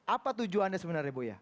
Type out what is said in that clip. apa tujuan anda sebenarnya buya